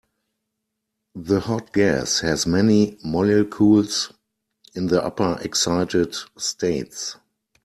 The hot gas has many molecules in the upper excited states.